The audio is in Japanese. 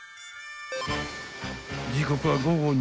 ［時刻は］